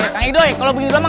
kang idoi kalau begitu aja